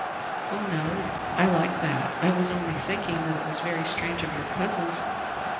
"Oh no, I like that. I was only thinking that it was very strange of your cousins.